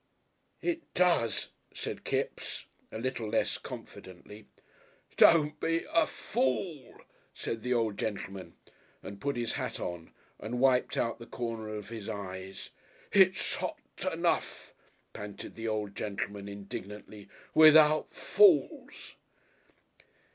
"It does," said Kipps, a little less confidently. "Don't be a Fool," said the old gentleman, and put his hat on and wiped out the corners of his eyes. "It's hot enough," panted the old gentleman indignantly, "without Fools."